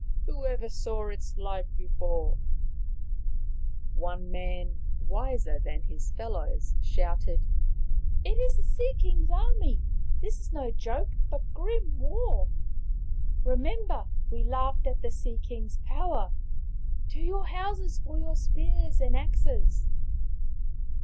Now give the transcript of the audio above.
" Whoever saw its like before ?" One man, wiser than his fellows, shouted, "It is the Sea king's army. This is no joke, but grim war. Remember, we laughed at the Sea king's power. To your houses for your spears and axes